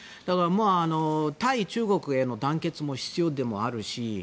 対中国への団結も必要であるし